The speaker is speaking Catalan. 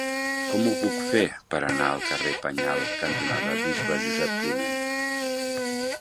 Com ho puc fer per anar al carrer Penyal cantonada Bisbe Josep Climent?